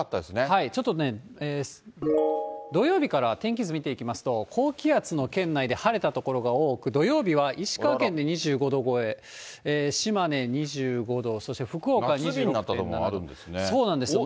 ちょっとね、土曜日から天気図見ていきますと、高気圧の圏内で晴れた所が多く、土曜日は石川県で２５度超え、島根２５度、夏日になった所もあるんですね、